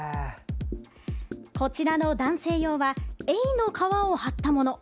こちらの男性用はエイの革を貼ったもの。